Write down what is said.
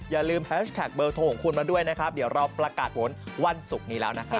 อย่าลืมแฮชแท็กเบอร์โทรของคุณมาด้วยนะครับเดี๋ยวเราประกาศผลวันศุกร์นี้แล้วนะครับ